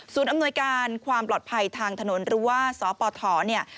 อำนวยการความปลอดภัยทางถนนหรือว่าสปฐเนี่ย